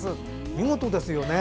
見事ですよね。